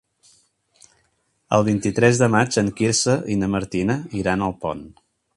El vint-i-tres de maig en Quirze i na Martina iran a Alpont.